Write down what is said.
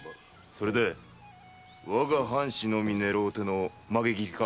それでわが藩士のみ狙っての髷切りか？